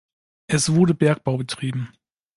Es wurde Bergbau betrieben.